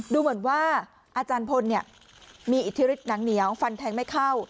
ดูเหมือนว่าอาจารย์พลมีอิทธิฤทธิหนังเหนียวฟันแทงไม่เข้า